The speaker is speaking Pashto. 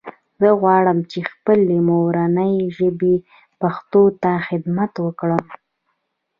زه غواړم چې خپلې مورنۍ ژبې پښتو ته خدمت وکړم